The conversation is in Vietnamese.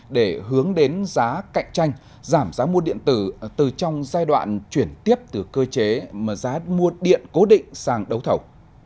để hướng đến giá cạnh tranh giảm giá mua điện tử từ trong giai đoạn chuyển tiếp từ cơ chế mà giá mua điện cố định sang đấu thầu